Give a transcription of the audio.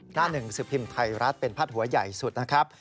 หน้าหนึ่งสิบพิมพ์ไทยรัฐเป็นพาดหัวใหญ่สุดนะครับ